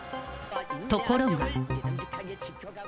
ところが。